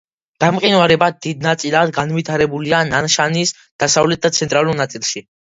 გამყინვარება დიდწილად განვითარებულია ნანშანის დასავლეთ და ცენტრალურ ნაწილში.